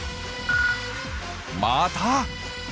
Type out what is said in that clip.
また！